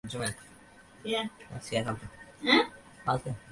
তবু পলক ফেলিতে পারে নাই।